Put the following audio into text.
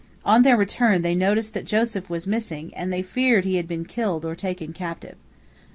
On their return they noticed that Joseph was missing, and they feared he had been killed or taken captive.